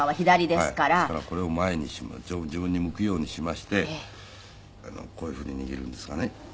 ですからこれを前に自分に向くようにしましてこういうふうに握るんですがね。